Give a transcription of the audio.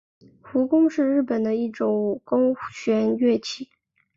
胡弓是日本的一种弓弦乐器。